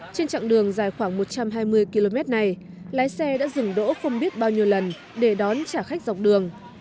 trên chặng đường dài khoảng một trăm hai mươi km này lái xe đã dừng đỗ không biết bao nhiêu lần để đón trả khách dọc đường